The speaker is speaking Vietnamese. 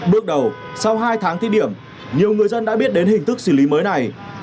bước đầu sau hai tháng thí điểm nhiều người dân đã biết đến hình thức xử lý mới này